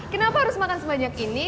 kenapa harus makan sebanyak ini